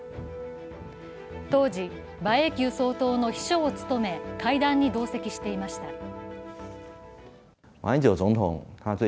当時、馬英九総統の秘書を務め会談に同席していました。